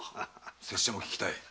拙者も聞きたい。